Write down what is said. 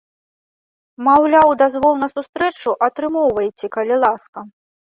Маўляў, дазвол на сустрэчу атрымоўвайце, калі ласка.